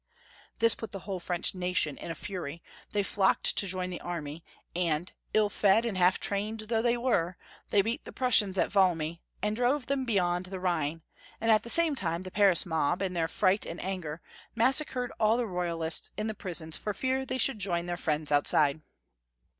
This put the whole French nation in a fury ; they flocked to join the army, and, ill fed and half trained though they were, they beat the Prussians at Valmy, and drove them beyond the Rhine, and at 429 430 Young Folks^ Hutory of Q ermany. the same time the Paris mob, in their fright and anger, massacred all the royalists in the prisons for fear they should join their friends outside.